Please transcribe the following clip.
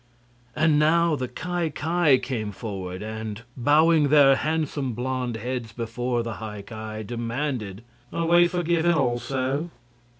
And now the Ki Ki came forward and, bowing their handsome blond heads before the High Ki, demanded: "Are we forgiven also?"